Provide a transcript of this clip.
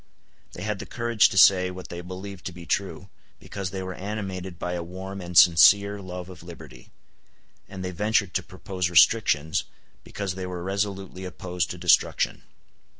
They had the courage to say what they believed to be true, because they were animated by a warm and sincere love of liberty; and they ventured to propose restrictions, because they were resolutely opposed to destruction.